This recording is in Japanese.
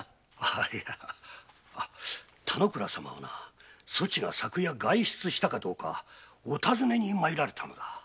いやいや田之倉様はなそちが昨夜外出したかどうかお訊ねに参られたのだ。